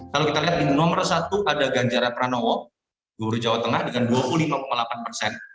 kalau kita lihat di nomor satu ada ganjar pranowo gubernur jawa tengah dengan dua puluh lima delapan persen